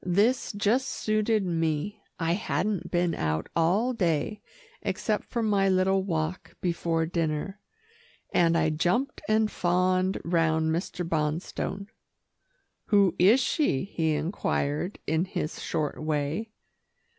This just suited me. I hadn't been out all day, except for my little walk before dinner, and I jumped and fawned round Mr. Bonstone. "Who is she?" he inquired in his short way.